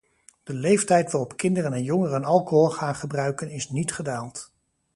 De leeftijd waarop kinderen en jongeren alcohol gaan gebruiken is niet gedaald.